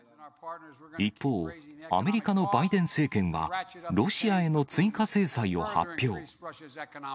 一方、アメリカのバイデン政権は、ロシアへの追加制裁を発表。